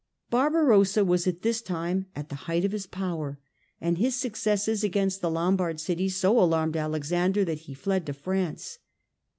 Barbarossa was at this time at the height of his power, and his successes against the Lombard cities so alarmed Alexander that he fled to France.